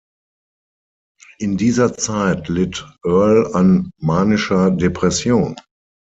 In dieser Zeit litt Earl an manischer Depression.